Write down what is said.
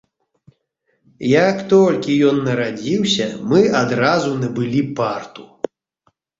Як толькі ён нарадзіўся, мы адразу набылі парту.